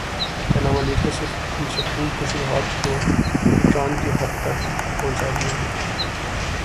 Panama leaks نے صرف ان شکوک وشبہات کو ایقان کی حد تک پہنچا دیا ہے۔